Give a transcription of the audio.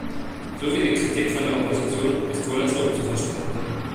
So wenig Kritik von der Opposition ist wohl als Lob zu verstehen.